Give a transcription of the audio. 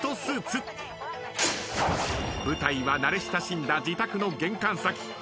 舞台は慣れ親しんだ自宅の玄関先。